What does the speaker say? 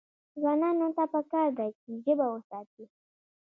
ځوانانو ته پکار ده چې، ژبه وساتي.